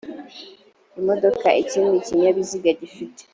imodoka ikindi kinyabiziga gifite